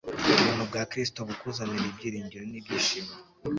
ubuntu bwa kristo bukuzanire ibyiringiro nibyishimo